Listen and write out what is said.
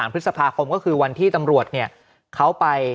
พฤษภาคมก็คือวันที่ตำรวจเขาไป